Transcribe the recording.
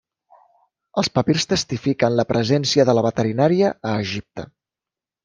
Els papirs testifiquen la presència de la veterinària a Egipte.